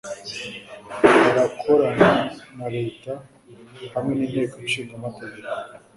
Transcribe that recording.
barakorana na leta, hamwe n'inteko ishingamategeko